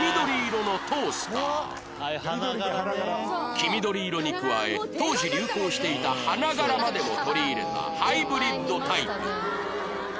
黄緑色に加え当時流行していた花柄までも取り入れたハイブリッドタイプ